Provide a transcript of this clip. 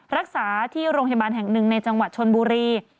รักษาที่โรงพยาบาลแห่งหนึ่งในจังหวัดชนบุรี